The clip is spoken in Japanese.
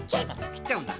きっちゃうんだ。